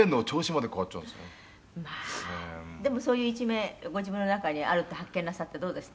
「まあでもそういう一面ご自分の中にあるって発見なさってどうでした？」